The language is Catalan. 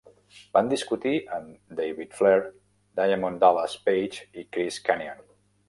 Van discutir amb David Flair, Diamond Dallas Page i Chris Kanyon.